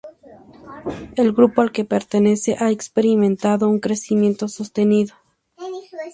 El grupo al que pertenece ha experimentado un crecimiento sostenido.